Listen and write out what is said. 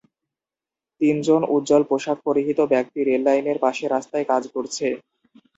তিন জন উজ্জ্বল পোশাক পরিহিত ব্যক্তি রেল লাইনের পাশে রাস্তায় কাজ করছে।